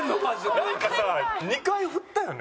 なんかさ２回振ったよね？